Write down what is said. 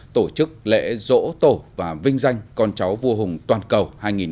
tổ chức lễ dỗ tổ và vinh danh con cháu vua hùng toàn cầu hai nghìn hai mươi bốn